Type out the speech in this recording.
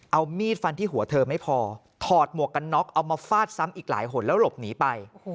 เอามีดฟันที่หัวเธอไม่พอถอดหมวกกันน็อกเอามาฟาดซ้ำอีกหลายหนแล้วหลบหนีไป